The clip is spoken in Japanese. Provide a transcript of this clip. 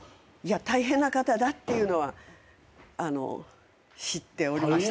大変な方だっていうのはあの知っておりました。